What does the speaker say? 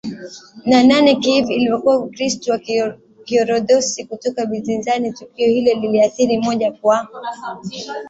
na nane Kiev ilipokea Ukristo wa Kiorthodoksi kutoka Bizanti Tukio hilo liliathiri moja kwa